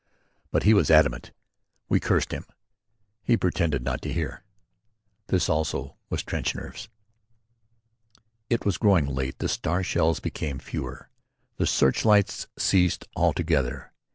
But he was adamant. We cursed him. He pretended not to hear. This also was trench nerves. It was growing late. The star shells became fewer. The search lights ceased altogether.